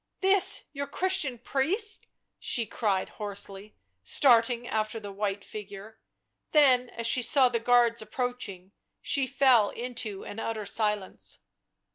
"This your Christian priest!" she cried hoarsely, starting after the white figure ; then, as she saw the guards approaching, she fell into an utter silence.